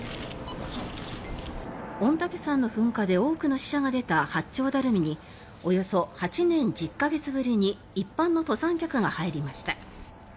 御嶽山の噴火で多くの死者が出た八丁ダルミにおよそ８年１０か月ぶりに一般の登山客が入りました。